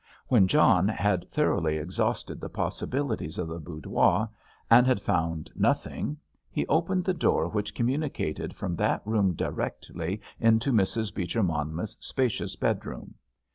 When John had thoroughly exhausted the possibilities of the boudoir and had found nothing, he opened the door which communicated from that room directly into Mrs. Beecher Monmouth's spacious bedroom.